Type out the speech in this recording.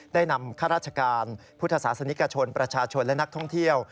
ได้นำข้าราชการพุทธศาสนิกชนประชาชนและนักท่องเที่ยว